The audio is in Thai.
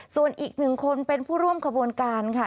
ส่วนอีกหนึ่งคนเป็นผู้ร่วมขบวนการค่ะ